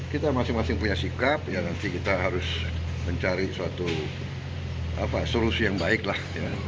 kita masing masing punya sikap ya nanti kita harus mencari suatu solusi yang baik lah